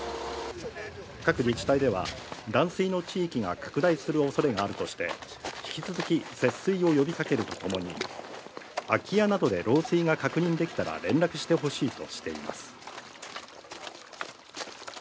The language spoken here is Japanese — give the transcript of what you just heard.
各自治体では断水の地域が拡大する恐れがあるとして引き続き節水を呼びかけるとともに空き家などで漏水が確認できたら連絡して欲しいとしています。